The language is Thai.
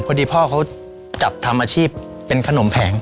พอดีพ่อเขาจับทำอาชีพเป็นขนมแผง